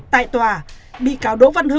tại tòa bị cáo đỗ văn hưng